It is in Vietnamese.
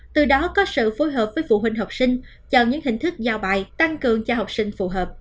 từ đó có sự phối hợp với phụ huynh học sinh chọn những hình thức giao bài tăng cường cho học sinh phù hợp